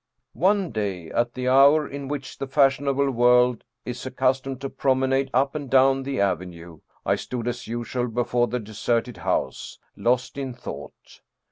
One day, at the hour in which the fashionable world is accustomed to promenade up and down the avenue, I stood as usual before the deserted house, lost in thought.